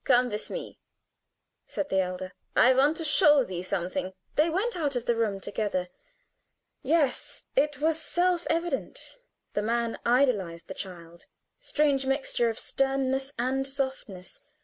"Come with me," said the elder. "I want to show thee something." They went out of the room together. Yes, it was self evident; the man idolized the child. Strange mixture of sternness and softness!